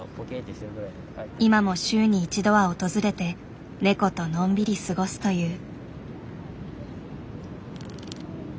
今も週に１度は訪れてネコとのんびり過ごすという。